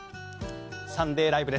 「サンデーＬＩＶＥ！！」